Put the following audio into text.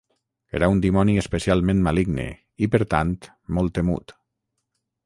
Era un dimoni especialment maligne, i per tant molt temut.